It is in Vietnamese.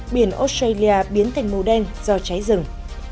biển australia biến thành màu đen do cháy rừng